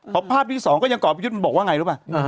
ขอบภาพที่สองก็ยังก่อนพี่ยุทธ์บอกว่าไงรู้ไหม